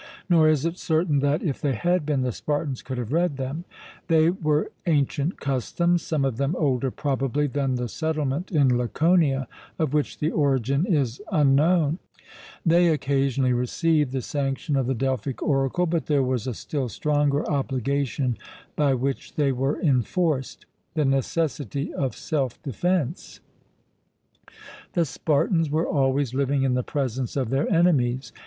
Nor is it certain that, if they had been, the Spartans could have read them. They were ancient customs, some of them older probably than the settlement in Laconia, of which the origin is unknown; they occasionally received the sanction of the Delphic oracle, but there was a still stronger obligation by which they were enforced, the necessity of self defence: the Spartans were always living in the presence of their enemies.